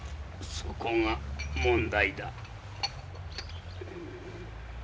そこが問題だ。